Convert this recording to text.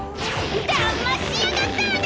だましやがったわね！